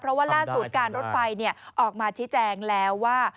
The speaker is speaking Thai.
เพราะว่าล่าสุดการรถไฟออกมาชี้แจงแล้วว่า